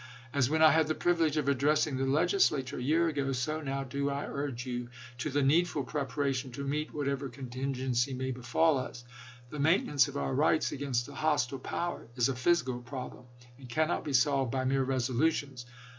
.. As when I had the privilege of addressing the Legislature a year ago, so now do I urge you to the needful preparation to meet whatever contingency may befall us. The maintenance of our rights against a hos tile power is a physical problem and cannot be solved by mere resolutions.